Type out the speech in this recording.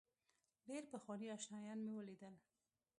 ډېر پخواني آشنایان مې ولیدل.